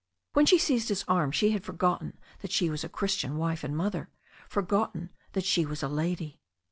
When she seized his arm she had forgotten that she was a Christian wife and mother, forgotten that she was a lady.